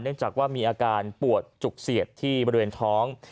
จากว่ามีอาการปวดจุกเสียบที่บริเวณท้อง